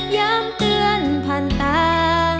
ยามเตือนผ่านตา